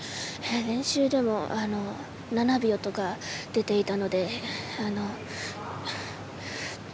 練習でも７秒とか出ていたので。